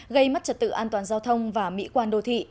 gây mất trật tự an toàn giao thông và mỹ quan đô thị